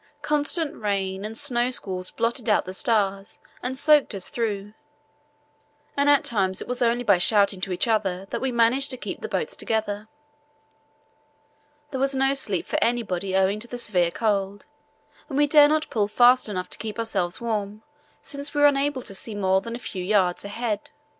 Constant rain and snow squalls blotted out the stars and soaked us through, and at times it was only by shouting to each other that we managed to keep the boats together. There was no sleep for anybody owing to the severe cold, and we dare not pull fast enough to keep ourselves warm since we were unable to see more than a few yards ahead.